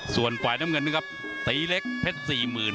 ส่วนฝ่ายน้ำเงินนะครับตีเล็กเพชรสี่หมื่น